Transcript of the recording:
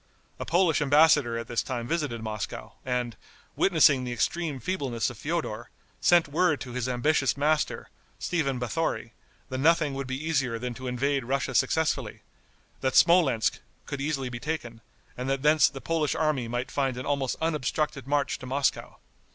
A Polish embassador at this time visited Moscow, and, witnessing the extreme feebleness of Feodor, sent word to his ambitious master, Stephen Bathori, that nothing would be easier than to invade Russia successfully; that Smolensk could easily be taken, and that thence the Polish army might find an almost unobstructed march to Moscow.